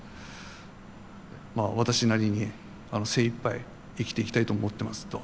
まあ私なりに精いっぱい生きていきたいと思ってますと。